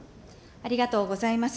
ありがとうございます。